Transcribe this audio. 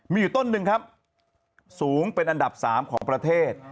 มีอยู่ต้นหนึ่งครับสูงเป็นอันดับ๓ของประเทศ